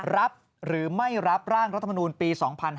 รับหรือไม่รับร่างรัฐมนูลปี๒๕๕๙